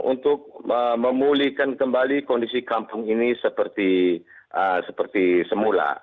untuk memulihkan kembali kondisi kampung ini seperti semula